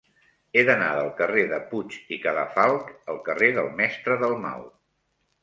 He d'anar del carrer de Puig i Cadafalch al carrer del Mestre Dalmau.